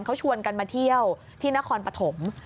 เขาชวนกันมาเที่ยวที่นครปฐม